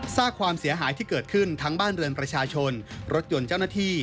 สร้างความเสียหายที่เกิดขึ้นทั้งบ้านเรือนประชาชนรถยนต์เจ้าหน้าที่